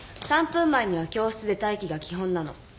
３分前には教室で待機が基本なの。